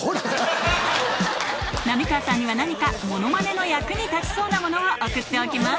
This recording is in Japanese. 浪川さんには何かモノマネの役に立ちそうなものを送っておきます